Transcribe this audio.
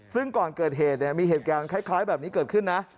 ซึ่งก่อนเกิดเหตุมีเหตุการณ์คล้ายแบบนี้เกิดขึ้นนะ